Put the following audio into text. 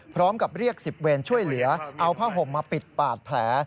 พร้อมกับเรียก๑๐เวรช่วยเหลือเอาผ้าห่มมาปิดปากแผล